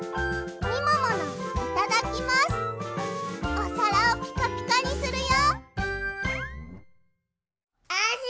おさらをピカピカにするよ！